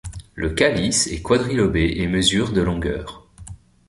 Le calice est quadrilobé et mesure de longueur.